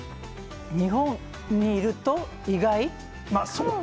日本にいると意外？